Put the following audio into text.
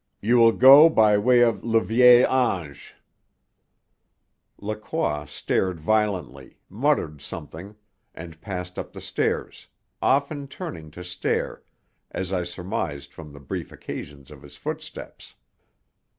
You will go by way of le Vieil Ange." Lacroix started violently, muttered something, and passed up the stairs, often turning to stare, as I surmised from the brief occasions of his footsteps.